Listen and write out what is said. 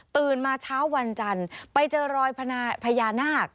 มาเช้าวันจันทร์ไปเจอรอยพญานาค